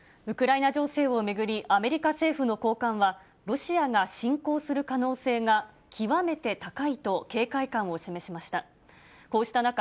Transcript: ウクライナ情勢を巡り、アメリカ政府の高官は、ロシアが侵攻する可能性が極めて高いと、警戒感を示しました。